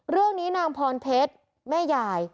เรื่องนี้นางพรเพชรแม่ยาย